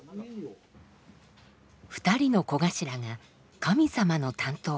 二人の小頭が神様の担当。